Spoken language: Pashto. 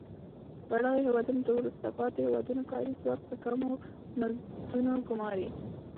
بډایه هیوادونه د وروسته پاتې هېوادونو کاري ځواک په کمو مزدونو ګوماري.